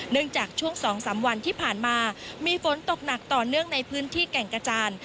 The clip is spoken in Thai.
จากช่วง๒๓วันที่ผ่านมามีฝนตกหนักต่อเนื่องในพื้นที่แก่งกระจาน